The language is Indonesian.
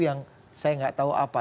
yang saya nggak tahu apa